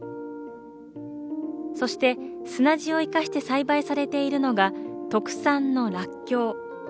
そして、砂地を生かして栽培されているのが特産のらっきょう。